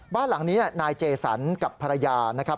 บ้านหลังนี้นายเจสันกับภรรยานะครับ